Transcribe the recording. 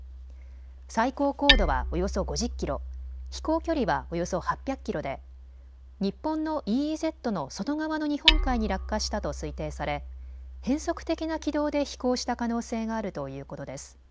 最高高度はおよそ５０キロ、飛行距離はおよそ８００キロで、日本のＥＥＺの外側の日本海に落下したと推定され変則的な軌道で飛行した可能性があるということです。